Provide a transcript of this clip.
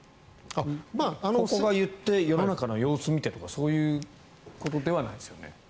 ここが言って世の中の様子を見ているとかそういうことではないんですか。